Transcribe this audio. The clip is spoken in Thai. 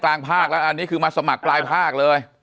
อันนี้คือมาสมัครปลายภาคเลย